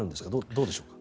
どうでしょう。